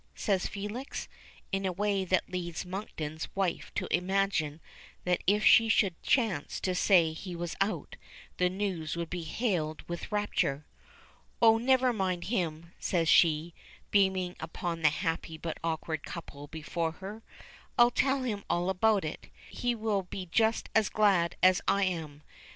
says Felix, in a way that leads Monkton's wife to imagine that if she should chance to say he was out, the news would be hailed with rapture. "Oh, never mind him," says she, beaming upon the happy but awkward couple before her. "I'll tell him all about it. He will be just as glad as I am.